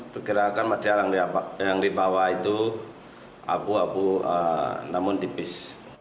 pergerakan material yang dibawa itu abu abu namun tipis